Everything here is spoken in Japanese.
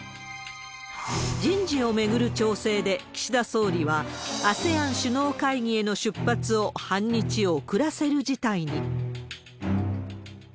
人事を巡る調整で、岸田総理はＡＳＥＡＮ首脳会議への出発を半日遅らせる事態に。